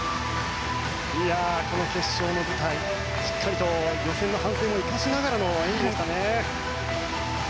この決勝の舞台しっかりと予選の反省も生かしながらの演技でしたね。